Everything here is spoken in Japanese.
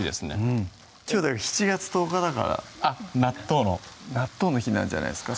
うんきょう７月１０日だからあっ納豆の納豆の日なんじゃないですか？